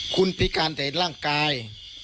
คุณพิการแต่ร่างกาย